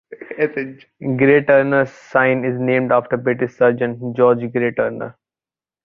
Grey Turner's sign is named after British surgeon George Grey Turner.